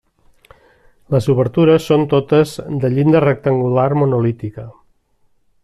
Les obertures són totes de llinda rectangular monolítica.